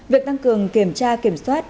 việc tăng cường kiểm tra kiểm soát